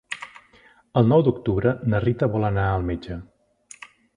El nou d'octubre na Rita vol anar al metge.